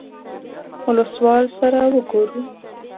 اولسوال سره وګورو.